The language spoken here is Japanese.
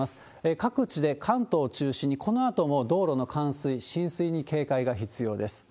各地で関東を中心に、このあとも道路の冠水、浸水に警戒が必要です。